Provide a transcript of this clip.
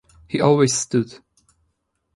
He always stood.